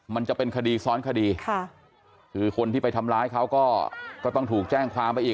มันจะเป็นคดีซ้อนคดีค่ะคือคนที่ไปทำร้ายเขาก็ต้องถูกแจ้งความไปอีก